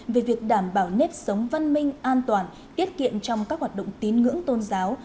về việc đảm bảo nếp sống văn minh an toàn tiết kiệm trong các hoạt động tín ngưỡng tôn giáo